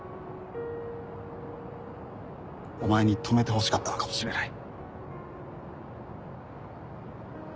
お前に止めてほしかったのかもしれない。